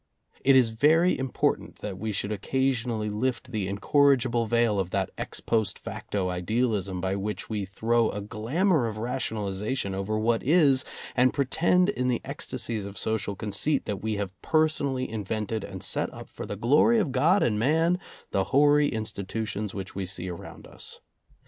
It is very important that we should occasionally lift the incorrigible veil of that ex post facto idealism by which we throw a glamor of rationalization over what is, and pretend in the ecstasies of social conceit that we have personally invented and set up for the glory of God and man the hoary institu tions which we see around us.